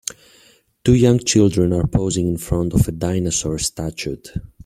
two young children are posing in front of a dinosaur statute.